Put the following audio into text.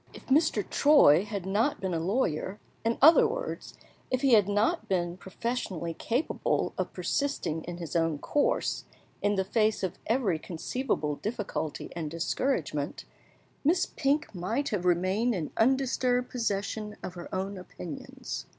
If Mr. Troy had not been a lawyer in other words, if he had not been professionally capable of persisting in his own course, in the face of every conceivable difficulty and discouragement Miss Pink might have remained in undisturbed possession of her own opinions.